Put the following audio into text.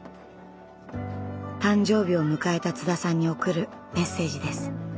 誕生日を迎えた津田さんに贈るメッセージです。